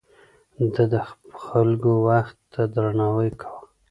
ده د خلکو وخت ته درناوی کاوه.